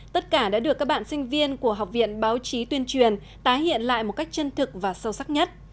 tất cả đã được các bạn sinh viên của học viện báo chí tuyên truyền tái hiện lại một cách chân thực và sâu sắc nhất